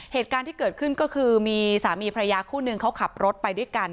เหตุการณ์ที่เกิดขึ้นก็คือมีสามีพระยาคู่นึงเขาขับรถไปด้วยกัน